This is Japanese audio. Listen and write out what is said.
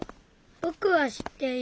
ぼくは知っている。